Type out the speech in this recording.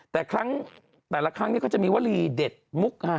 แต่ครั้งแต่ละครั้งนี้เขาจะมีวลีเด็ดมุกฮา